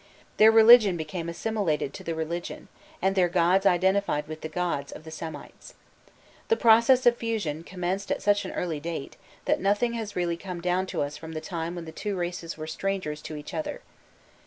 Their religion became assimilated to the religion, and their gods identified with the gods, of the Semites. The process of fusion commenced at such an early date, that nothing has really come down to us from the time when the two races were strangers to each other.